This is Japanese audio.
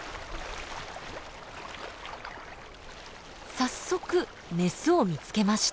早速メスを見つけました。